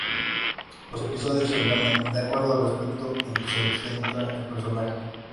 Los episodios se llaman de acuerdo al aspecto en que se centra el personaje.